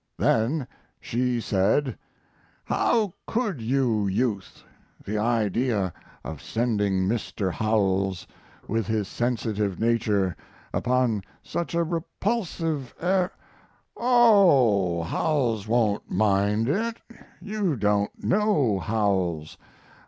Then she said: "How could you, Youth! The idea of sending Mr. Howells, with his sensitive nature, upon such a repulsive er " "Oh, Howells won't mind it! You don't know Howells.